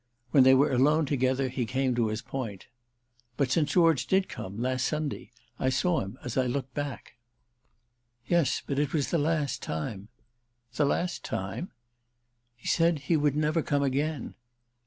When they were alone together he came to his point. "But St. George did come—last Sunday. I saw him as I looked back." "Yes; but it was the last time." "The last time?" "He said he would never come again."